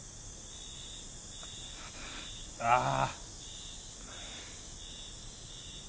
ああ。